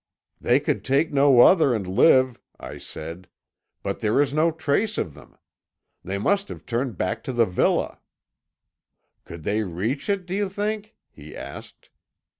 'They could take no other, and live,' I said, 'but there is no trace of them. They must have turned back to the villa.' 'Could they reach it, do you think?' he asked.